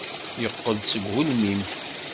Yeqqel-d seg ugelmim.